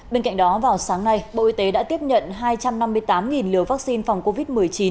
bên cạnh đó vào sáng nay bộ y tế đã tiếp nhận hai trăm năm mươi tám liều vaccine phòng covid một mươi chín